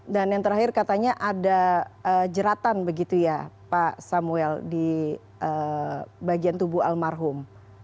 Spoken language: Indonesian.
dan yang terakhir katanya ada jeratan begitu ya pak samuel di bagian tubuh almarhum